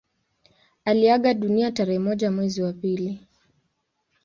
Aliaga dunia tarehe moja mwezi wa pili